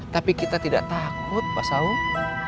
tapi kita tidak takut pak saud